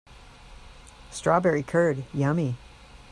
Strawberry curd, yummy!